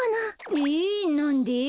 えなんで？